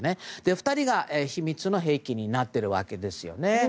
２人が秘密兵器になっているわけですね。